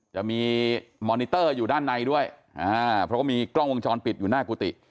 จะมีมอนิเตอร์อยู่ด้านในด้วยอ่าเพราะว่ามีกล้องวงจรปิดอยู่หน้ากุฏิ